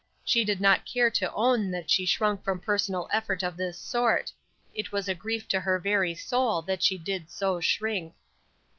She did not care to own that she shrunk from personal effort of this sort; it was a grief to her very soul that she did so shrink.